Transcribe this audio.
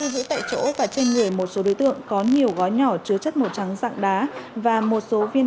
giữ tại chỗ và trên người một số đối tượng có nhiều gói nhỏ chứa chất màu trắng dạng đá và một số viên